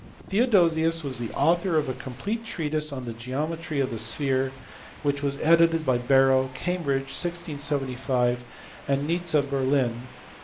Theodosius was the author of a complete treatise on the geometry of the sphere, which was edited by Barrow, Cambridge, 1675, and by Nizze, Berlin, 1852.